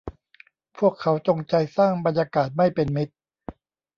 พวกเขาจงใจสร้างบรรยากาศไม่เป็นมิตร